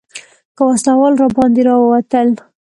که وسله وال راباندې راووتل.